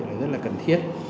là rất là cần thiết